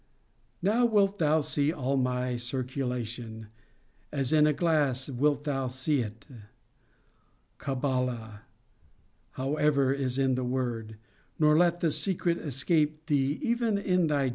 Now wilt thou see all my circulation: as in a glass wilt thou see it. CABALA, however, is the word;* nor let the secret escape thee even in thy dreams.